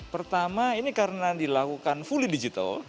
pertama ini karena dilakukan fully digital